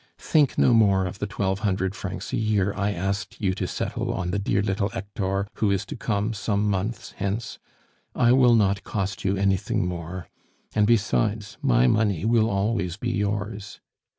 Think no more of the twelve hundred francs a year I asked you to settle on the dear little Hector who is to come some months hence; I will not cost you anything more. And besides, my money will always be yours.